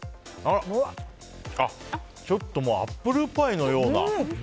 ちょっとアップルパイのような。